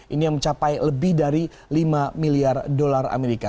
ini yang mencapai lebih dari lima miliar dolar amerika